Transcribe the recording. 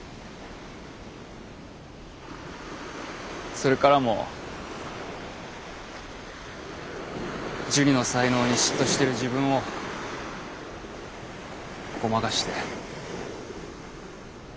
それからもジュニの才能に嫉妬してる自分をごまかして。